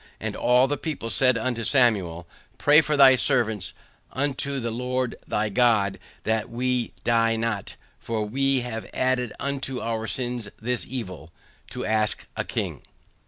AND ALL THE PEOPLE SAID UNTO SAMUEL, PRAY FOR THY SERVANTS UNTO THE LORD THY GOD THAT WE DIE NOT, FOR WE HAVE ADDED UNTO OUR SINS THIS EVIL, TO ASK A KING.